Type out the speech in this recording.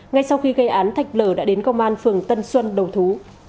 ngay sau khi gây án thạch lở đã đến công an phường tân xuân đầu thú